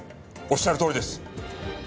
おっしゃるとおりです。